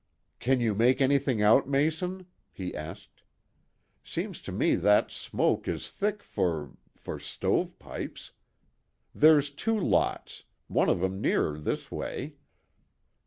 "Can you make anything out, Mason?" he asked. "Seems to me that smoke is thick for for stovepipes. There's two lots; one of 'em nearer this way."